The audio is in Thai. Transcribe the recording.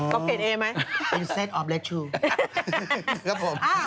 ก็เก่งเองไหม